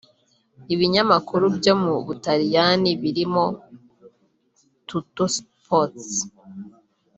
Ibinyamakuru byo mu Butaliyani birimo Tuttosport